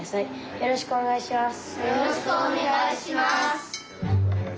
よろしくお願いします。